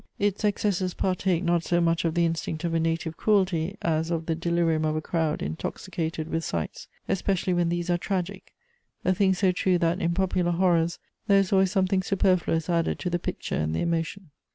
Its excesses partake not so much of the instinct of a native cruelty as of the delirium of a crowd intoxicated with sights, especially when these are tragic: a thing so true that, in popular horrors, there is always something superfluous added to the picture and the emotion.